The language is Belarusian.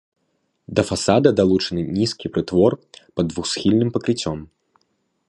Да фасада далучаны нізкі прытвор пад двухсхільным пакрыццём.